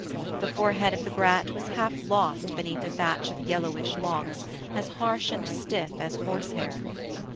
The forehead of the brat was half lost beneath a thatch of yellowish locks, as harsh and stiff as horse hair.